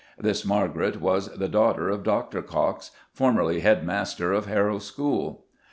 This Margaret was "the daughter of Dr. Cox, formerly Head master of Harrow School."